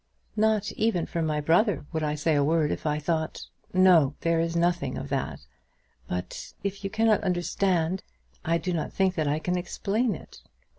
"Not even for my brother would I say a word if I thought " "No; there is nothing of that; but . If you cannot understand, I do not think that I can explain it."